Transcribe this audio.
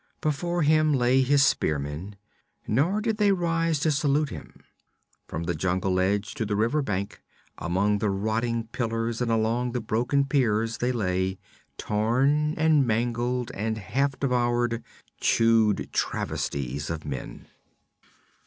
Before him lay his spearmen, nor did they rise to salute him. From the jungle edge to the riverbank, among the rotting pillars and along the broken piers they lay, torn and mangled and half devoured, chewed travesties of men.